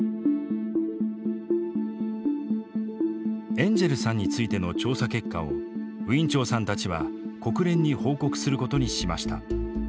エンジェルさんについての調査結果をウィン・チョウさんたちは国連に報告することにしました。